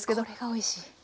これがおいしい。